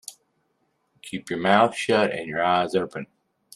Keep your mouth shut and your eyes open.